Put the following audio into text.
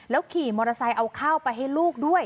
ขี่มอเตอร์ไซค์เอาข้าวไปให้ลูกด้วย